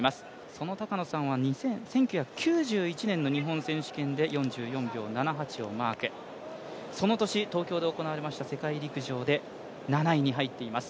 その高野さんは１９９１年の日本選手権で４４秒７８をマーク、その年東京で行われました世界陸上で７位に入っています。